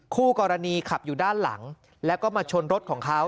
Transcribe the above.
คู่กรณีขับอยู่ด้านหลังแล้วก็มาชนรถของเขา